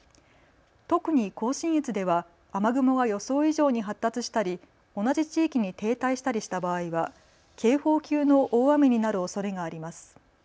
特に甲信越では雨雲が予想以上に発達したり同じ地域に停滞したりした場合は警報級の大雨になるおそれがあります。